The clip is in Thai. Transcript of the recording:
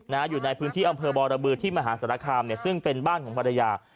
นะฮะอยู่ในพื้นที่อัมเภอบ่อระบืทที่มหาสารคามซึ่งเป็นบ้านของภรรยา